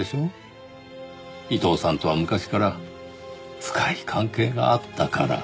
伊藤さんとは昔から深い関係があったから。